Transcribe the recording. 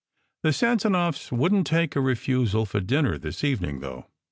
The Sanzanows wouldn t take a refusal for dinner this evening, though.